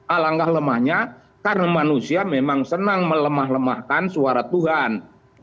alangkah lemahnya karena manusia memang senang melemah lemahkan suara tuhan